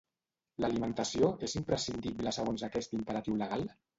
L'alimentació és imprescindible segons aquest imperatiu legal?